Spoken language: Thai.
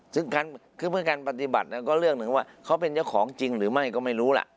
ซึ่งคือเมื่อการปฏิบัติก็เรื่องหนึ่งว่าเขาเป็นเจ้าของจริงหรือไม่ก็ไม่รู้ล่ะ